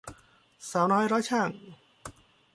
สาวน้อยร้อยชั่ง